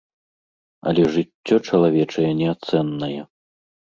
Але жыццё чалавечае неацэннае.